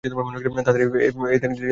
তাদের এই ত্যাগ জাতি চিরকাল স্মরণে রাখবে।